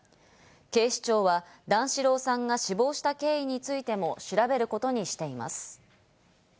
警視庁は段四郎さんが死亡した経緯についても調べることにしています。